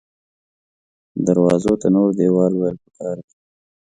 دروازو ته نور دیوال ویل پکار دې